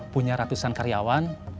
punya ratusan karyawan